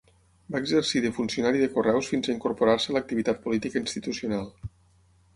Va exercir de funcionari de correus fins a incorporar-se a l'activitat política institucional.